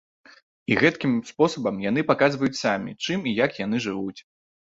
І гэткім спосабам яны паказваюць самі, чым і як яны жывуць.